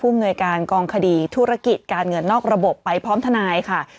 อำนวยการกองคดีธุรกิจการเงินนอกระบบไปพร้อมทนายค่ะ